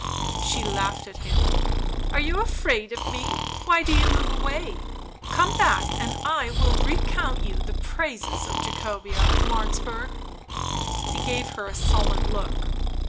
She laughed at him. " Are you afraid of me? Why do you move away ? Come back, and I will recount you the praises of Jacobea of Martzburg." He gave her a sullen look.